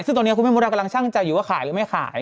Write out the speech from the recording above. ซึ่งตอนนี้คุณแม่มดดำกำลังช่างใจอยู่ว่าขายหรือไม่ขาย